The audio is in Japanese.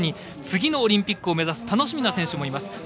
次のオリンピックを目指す楽しみな選手もいます。